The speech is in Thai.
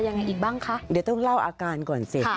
ยังไงอีกบ้างคะเดี๋ยวต้องเล่าอาการก่อนสิ